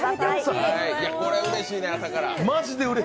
これうれしいね、朝から。